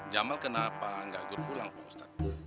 jamal kenapa gak gut pulang pak ustadz